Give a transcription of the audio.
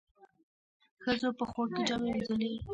ښځو په خوړ کې جامې وينځلې.